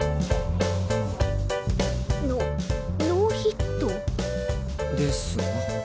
ノノーヒット。ですな。